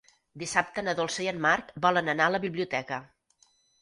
Dissabte na Dolça i en Marc volen anar a la biblioteca.